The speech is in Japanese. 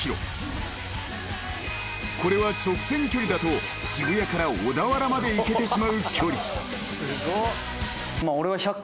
［これは直線距離だと渋谷から小田原まで行けてしまう距離］